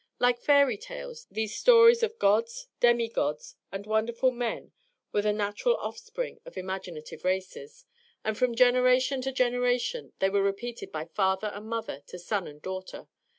Like fairy tales, these stories of gods, demigods, and wonderful men were the natural offspring of imaginative races, and from generation to generation they were repeated by father and mother to son and daughter.